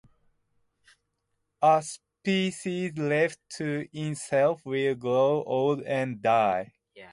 A species left to itself will grow old and die.